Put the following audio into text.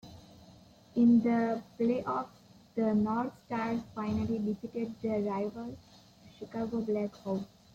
In the playoffs, the North Stars finally defeated their rival, the Chicago Black Hawks.